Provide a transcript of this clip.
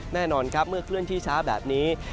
แน่นอนครับเมื่อเคลื่อนที่ช้าแบบนี้